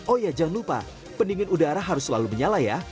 oh ya jangan lupa pendingin udara harus selalu menyala ya